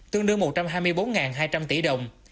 tương đương một trăm hai mươi bốn hai trăm linh tỷ đồng